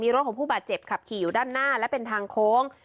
รถของผู้บาดเจ็บขับขี่อยู่ด้านหน้าและเป็นทางโค้ง